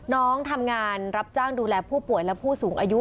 น้องทำงานรับจ้างดูแลผู้ป่วยและผู้สูงอายุ